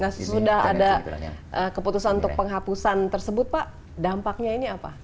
nah sudah ada keputusan untuk penghapusan tersebut pak dampaknya ini apa